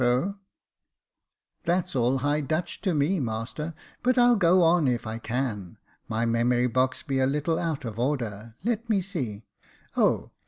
ii8 Jacob Faithful " That's all high Dutch to me, master ; but I'll go on if I can. My memory box be a little out of order. Let me see — oh